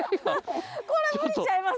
これ無理ちゃいます？